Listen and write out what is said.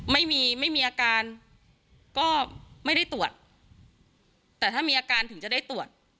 ไม่มีไม่มีอาการก็ไม่ได้ตรวจแต่ถ้ามีอาการถึงจะได้ตรวจ